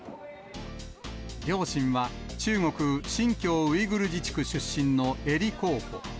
両親は中国・新疆ウイグル自治区出身の英利候補。